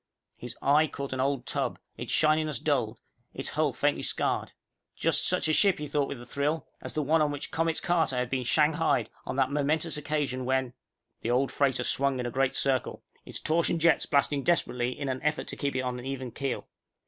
His eye caught an old tub, its shininess dulled, its hull faintly scarred. Just such a ship, he thought with a thrill, as the one on which Comets Carter had been shanghaied on that momentous occasion when ..._The old freighter swung a great circle, its torsion jets blasting desperately in an effort to keep it on an even keel.